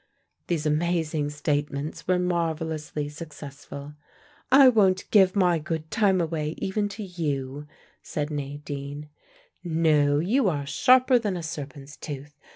These amazing statements were marvelously successful. "I won't give my good time away even to you," said Nadine. "No, you are sharper than a serpent's tooth.